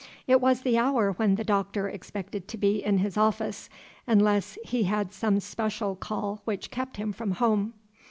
It was the hour when the Doctor expected to be in his office, unless he had some special call which kept him from home.